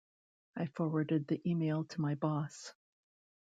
I forwarded the email to my boss.